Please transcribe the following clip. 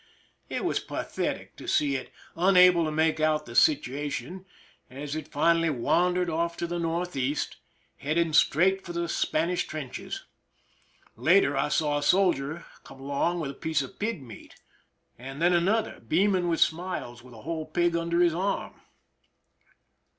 It was pathetic to see it, unable to make out the situation, as it finally wandered off to the northeast, heading straight for the Spanish trenches. Later I saw a soldier coming along with a piece of pig meat, and 276 PEISON LIFE THE SIEGE then another, beaming with smiles, with a whole pig under his arm.